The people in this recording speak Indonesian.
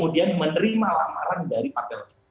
menerima lamaran dari partai lain